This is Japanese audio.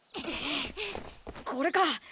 これか！